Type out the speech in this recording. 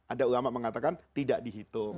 ada ulama mengatakan tidak dihitung